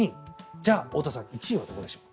じゃあ、太田さん１位はどこでしょう。